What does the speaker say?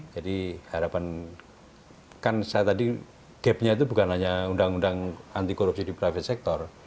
jadi harapan kan saya tadi gapnya itu bukan hanya undang undang anti korupsi di private sector